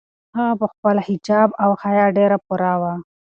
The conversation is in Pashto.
هغه په خپل حجاب او حیا کې ډېره پوره وه.